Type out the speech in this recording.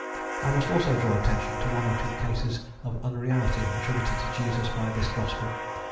I must also draw attention to one or two cases of unreality attributed to Jesus by this gospel.